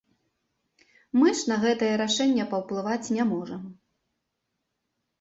Мы ж на гэтае рашэнне паўплываць не можам.